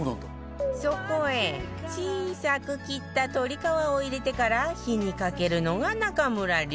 そこへ小さく切った鶏皮を入れてから火にかけるのが中むら流